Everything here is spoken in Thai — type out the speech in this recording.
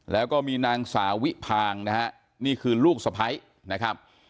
แล้วก็มีนางสาวิพางนะฮะนี่คือลูกสะพ้ายนะครับ